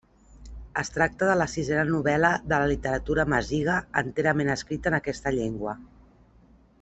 Es tracta de la sisena novel·la de la literatura amaziga enterament escrita en aquesta llengua.